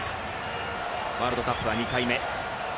ワールドカップは２回目。